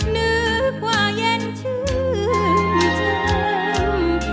นึกว่าเย็นชื่อพี่เจ้า